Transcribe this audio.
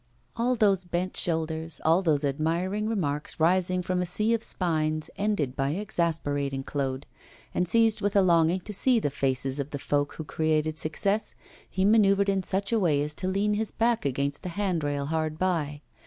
All those bent shoulders, all those admiring remarks rising from a sea of spines, ended by exasperating Claude; and seized with a longing to see the faces of the folk who created success, he manoeuvred in such a way as to lean his back against the handrail hard by.